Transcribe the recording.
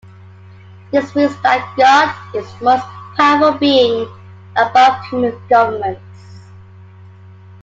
This means that God is the most powerful being, above human governments.